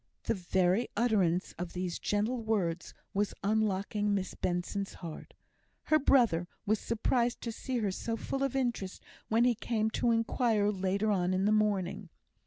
The very utterance of these gentle words was unlocking Miss Benson's heart. Her brother was surprised to see her so full of interest, when he came to inquire later on in the morning.